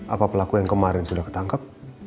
apa pelaku yang kemarin sudah ketangkep